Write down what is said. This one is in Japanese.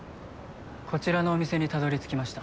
こちらのお店にたどりつきました。